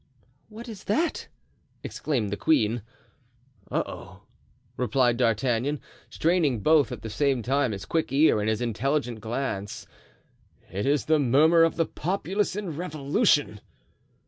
"What is that?" exclaimed the queen. "Oh, oh!" replied D'Artagnan, straining both at the same time his quick ear and his intelligent glance, "it is the murmur of the populace in revolution."